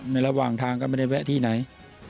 ระหว่างทางก็ไม่ได้แวะที่ไหน